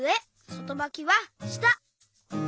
そとばきはした。